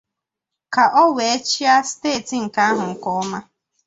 ka o wee chịa steeti ahụ nke ọma